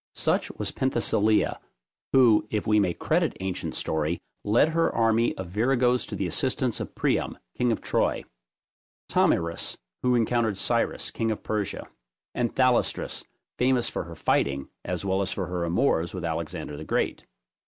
Such was Penthesilea, who, if we may credit ancient story, led her army of viragoes to the assistance of Priam, king of Troy; Thomyris, who encountered Cyrus, king of Persia; and Thalestris, famous for her fighting, as well as for her amours with Alexander the Great.